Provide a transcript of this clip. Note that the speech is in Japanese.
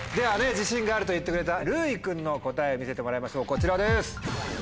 自信があると言ってくれたるうい君の答え見せてもらいましょうこちらです。